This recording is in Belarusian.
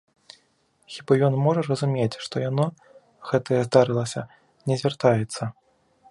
Хіба ён можа разумець, што яно, гэтае здарылася, не звяртаецца?